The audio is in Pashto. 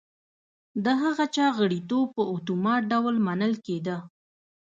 د هغه چا غړیتوب په اتومات ډول منل کېده.